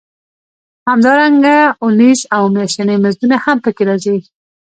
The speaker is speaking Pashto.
همدارنګه اونیز او میاشتني مزدونه هم پکې راځي